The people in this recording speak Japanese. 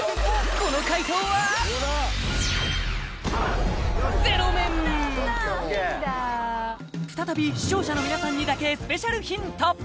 この快答は再び視聴者の皆さんにだけスペシャルヒント